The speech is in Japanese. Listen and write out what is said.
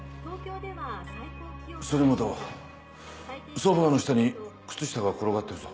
ソファの下に靴下が転がってるぞ。